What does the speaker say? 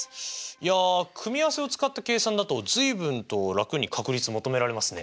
いや組み合わせを使った計算だと随分と楽に確率求められますね。